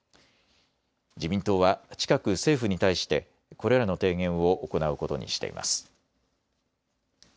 自民党は近く政府に対してこれらの提言を行うことにしています。